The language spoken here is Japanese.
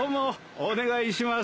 お願いします。